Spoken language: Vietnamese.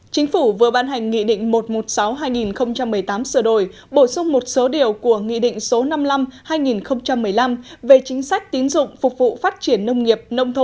chính phủ vừa ban hành nghị định một trăm một mươi sáu hai nghìn một mươi tám sửa đổi bổ sung một số điều của nghị định số năm mươi năm hai nghìn một mươi năm về chính sách tín dụng phục vụ phát triển nông nghiệp